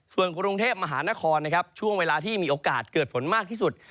ส่วนกรุงเทพมหานครนะครับช่วงเวลาที่มีโอกาสเกิดฝนมากที่สุด